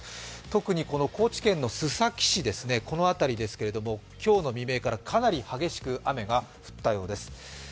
特に高知県の須崎市、今日の未明からかなり激しく雨が降ったようです。